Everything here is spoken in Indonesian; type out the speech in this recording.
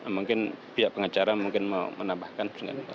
mungkin pihak pengacara mungkin mau menambahkan